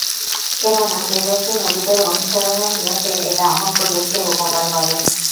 কেননা, যে ব্যক্তি নবীদের অনুসরণের নিয়তে এটা আমল করবে সে উপকার পাবে।